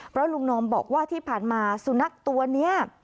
เพราะลุงนอมบอกว่าที่ผ่านมาสุนัขตัวนี้